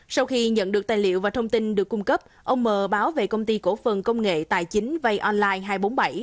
sau khi nhận được tài liệu và thông tin được cung cấp ông m báo về công ty cổ phần công nghệ tài chính vay online hai trăm bốn mươi bảy